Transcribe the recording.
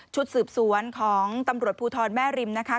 สืบสวนของตำรวจภูทรแม่ริมนะคะ